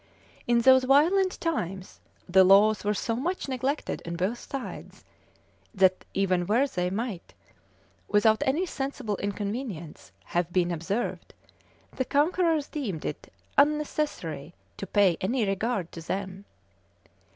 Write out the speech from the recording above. p. 116. In those violent times, the laws were so much neglected on both sides, that, even where they might, without any sensible inconvenience, have been observed, the conquerors deemed it unnecessary to pay any regard to them.